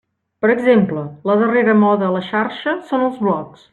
Per exemple: la darrera moda a la xarxa són els blogs.